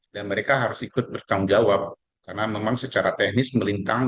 dan mereka harus ikut bertanggung jawab karena memang secara teknis melintang